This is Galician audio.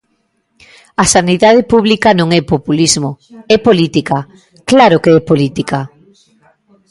A sanidade pública non é populismo, é política, ¡claro que é política!